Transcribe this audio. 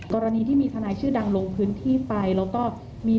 กรณีที่มีทนายชื่อดังลงพื้นที่ไป